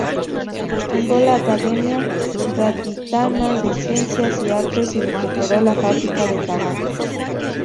Fundó la Academia Gaditana de Ciencias y Artes y recuperó la Fábrica de Tabacos.